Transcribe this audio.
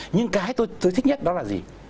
nhưng cái tôi thích nhất đó là gì